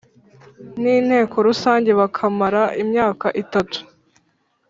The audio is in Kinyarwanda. n Inteko Rusange bakamara imyaka itatu